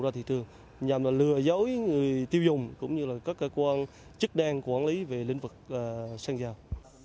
thì thường nhằm là lừa dối người tiêu dùng cũng như là các cơ quan chức đen quản lý về lĩnh vực xăng dầu